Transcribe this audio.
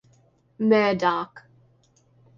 Murdock.